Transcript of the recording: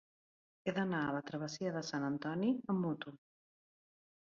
He d'anar a la travessia de Sant Antoni amb moto.